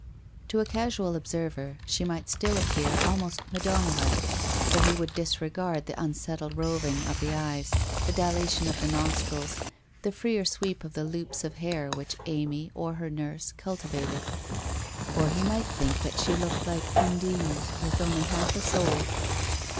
To a casual observer, she might still appear almost Madonna like, for he would disregard the unsettled roving of the eyes, the dilation of the nostrils, the freer sweep of the loops of hair which Amy — or her nurse — cultivated. Or he might think that she looked like Undine, with only half a soul.